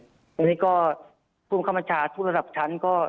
อันนี้ก็ภูมิคับบัญชาทุกระดับชั้นก็